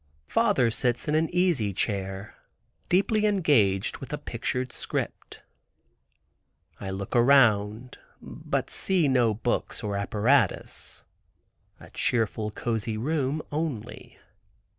Father sits in an easy chair deeply engaged with a pictured script. I look around but see no books or apparatus—a cheerful, cosy room only.